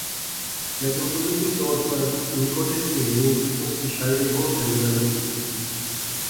لیکن قدرتی طور پر نکوٹے تھی ہنی اس کی شاعری بہوں چنگی لغنی سی